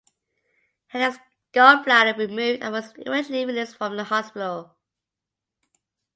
He had his gallbladder removed and was eventually released from the hospital.